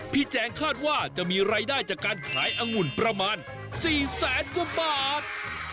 แจงคาดว่าจะมีรายได้จากการขายอังุ่นประมาณ๔แสนกว่าบาท